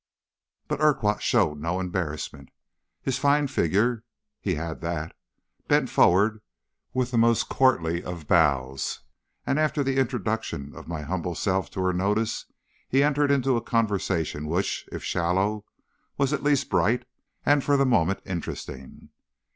"But Urquhart showed no embarrassment. His fine figure he had that bent forward with the most courtly of bows, and after the introduction of my humble self to her notice, he entered into a conversation which, if shallow, was at least bright, and for the moment interesting.